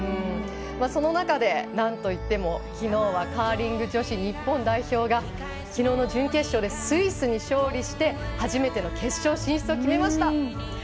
その中で、なんといってもきのうはカーリング女子日本代表がきのうの準決勝でスイスに勝利して初めての決勝進出を決めました。